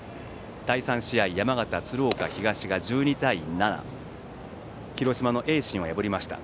第３試合、山型・鶴岡東が１２対７で広島の盈進を破りました。